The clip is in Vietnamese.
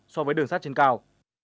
so với đường sắt trên cao